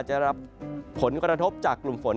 จะรับผลกระทบจากกลุ่มฝน